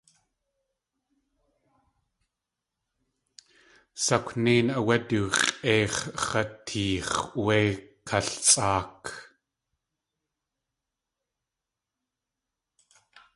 Sakwnéin áwé du x̲ʼéix̲ x̲ateex̲ wé kalsʼáak.